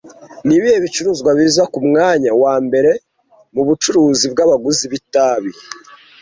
Ni ibihe bicuruzwa biza ku mwanya wa mbere mu bucuruzi bw'abaguzi b'itabi